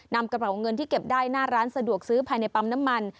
นำกระเป๋าเงินที่เก็บได้หน้าร้านสะดวกซื้อภายในปั๊มน้ำมัน